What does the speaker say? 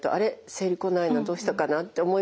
生理来ないなどうしたかな？って思いますよね。